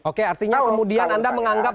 oke artinya kemudian anda menganggap